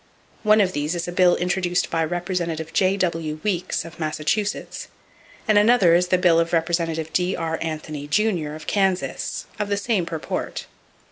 One of these is a bill introduced by Representative J.W. Weeks, of Massachusetts, and another is the bill of Representative D.R. Anthony, Jr., of Kansas, of the same purport.